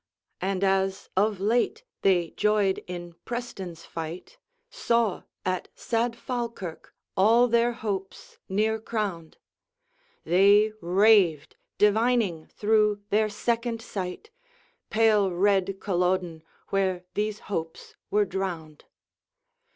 And as, of late, they joyed in Preston's fight, Saw at sad Falkirk all their hopes near crowned, They raved, divining, through their second sight, Pale, red Culloden, where these hopes were drowned!